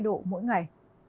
cảm ơn các bạn đã theo dõi